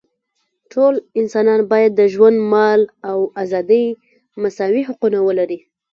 ټول انسانان باید د ژوند، مال او ازادۍ مساوي حقونه ولري.